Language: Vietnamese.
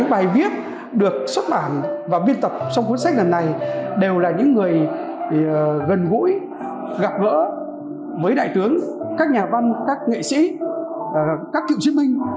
bài viết được xuất bản và biên tập trong cuốn sách lần này đều là những người gần gũi gặp gỡ với đại tướng các nhà văn các nghệ sĩ các cựu chiến binh